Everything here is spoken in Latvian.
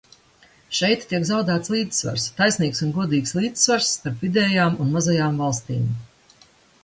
Šeit tiek zaudēts līdzsvars, taisnīgs un godīgs līdzsvars, starp vidējām un mazajām valstīm.